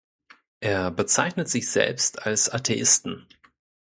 Er bezeichnet sich selbst als Atheisten.